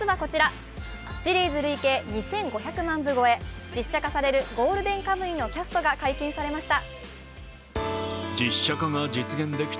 シリーズ累計２５００万部超え実写化される「ゴールデンカムイ」のキャストが解禁されました。